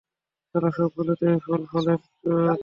শালা, সবগুলাতে এই ফুল-ফলের চুতিয়াপ্পা।